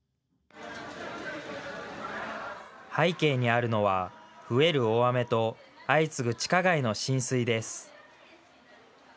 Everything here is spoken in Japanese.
背景にあるのは増える大雨と相次ぐ地下街の浸水です。